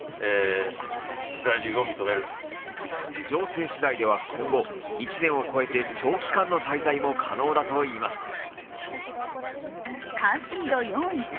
情勢しだいでは今後、１年間を超えて長期間の滞在も可能だといいます。